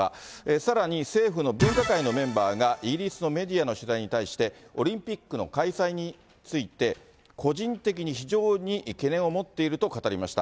さらに、政府の分科会のメンバーが、イギリスのメディアの取材に対して、オリンピックの開催について、個人的に非常に懸念を持っていると語りました。